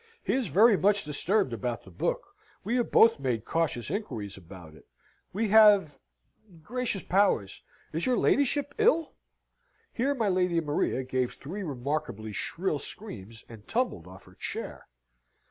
"He is very much disturbed about the book. We have both made cautious inquiries about it. We have Gracious powers, is your ladyship ill?" Here my Lady Maria gave three remarkably shrill screams, and tumbled off her chair.